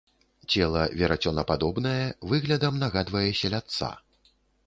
Цела верацёнападобнае, выглядам нагадвае селядца.